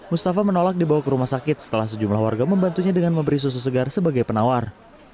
mustafa menolak dibawa ke rumah sakit setelah sejumlah warga membantunya dengan memberi susu segar sebagai penawar